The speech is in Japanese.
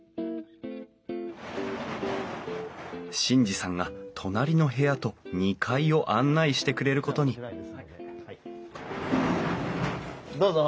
眞二さんが隣の部屋と２階を案内してくれることにどうぞ。